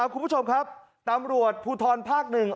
คุณผู้ชมตำรวจภูทส์ภาคหนึ่ง